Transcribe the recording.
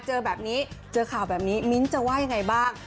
เจอแบบนี้เจอข่าวแบบนี้มิ้นท์จะว่ายังไงบ้าง